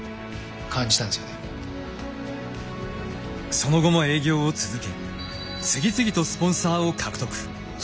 その後も営業を続け次々とスポンサーを獲得。